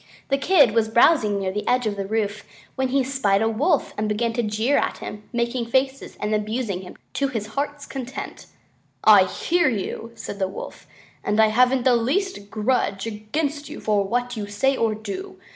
The Kid was browsing near the edge of the roof, when he spied a Wolf and began to jeer at him, making faces and abusing him to his heart's content. "I hear you," said the Wolf, "and I haven't the least grudge against you for what you say or do.